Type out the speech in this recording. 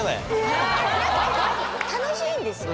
楽しいんですよ。